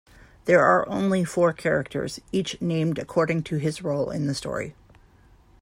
There are only four characters, each named according to his role in the story.